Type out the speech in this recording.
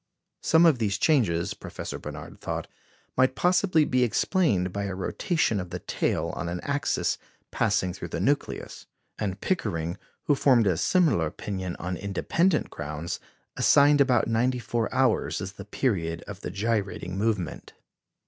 Some of these changes, Professor Barnard thought, might possibly be explained by a rotation of the tail on an axis passing through the nucleus, and Pickering, who formed a similar opinion on independent grounds, assigned about 94 hours as the period of the gyrating movement.